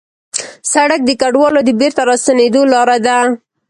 سړک د کډوالو د بېرته راستنېدو لاره ده.